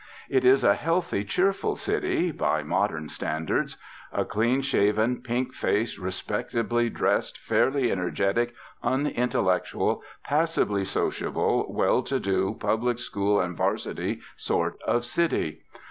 It is a healthy, cheerful city (by modern standards); a clean shaven, pink faced, respectably dressed, fairly energetic, unintellectual, passably sociable, well to do, public school and 'varsity sort of city.